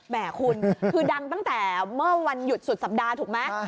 แห่คุณคือดังตั้งแต่เมื่อวันหยุดสุดสัปดาห์ถูกไหม